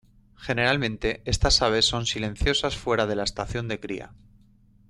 Generalmente estas aves son silenciosas fuera de la estación de cría.